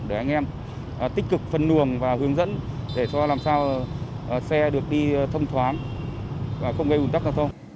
để anh em tích cực phân luồng và hướng dẫn để cho làm sao xe được đi thông thoáng và không gây ủn tắc giao thông